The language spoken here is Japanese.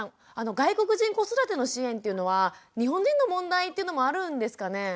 外国人子育ての支援っていうのは日本人の問題っていうのもあるんですかね？